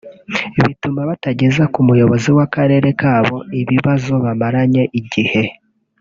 bigatuma batageza ku muyobozi w’akarere kabo ibibazo bamaranye igihe